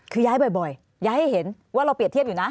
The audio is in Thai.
คือย้ายบ่อยย้ายให้เห็นว่าเราเปรียบเทียบอยู่นะ